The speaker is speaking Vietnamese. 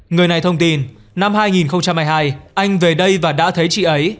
người này thông tin năm hai nghìn hai mươi hai anh về đây và đã thấy chị ấy